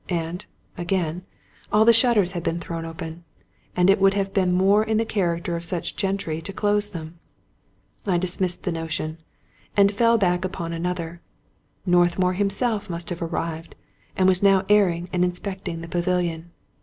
And, again, all the shutters had been thrown open, and it would have been more in the character of such gentry to close them. I dismissed the notion, and fell back upon another. Northmour himself must have arrived, and was now airing and inspecting the pavilion.